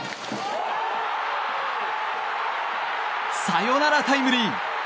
サヨナラタイムリー。